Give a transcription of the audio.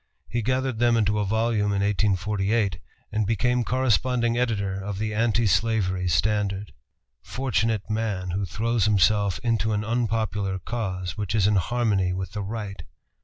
He gathered them into a volume in 1848, and became corresponding editor of the Anti Slavery Standard. Fortunate man who throws himself into an unpopular cause which is in harmony with the Right!